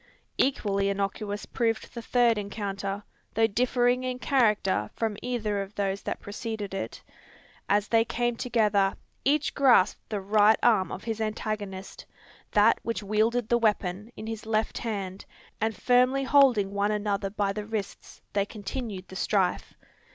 Equally innocuous proved the third encounter, though differing in character from either of those that preceded it. As they came together, each grasped the right arm of his antagonist, that which wielded the weapon, in his left hand; and firmly holding one another by the wrists, they continued the strife.